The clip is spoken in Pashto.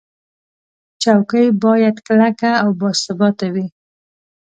چوکۍ باید کلکه او باثباته وي.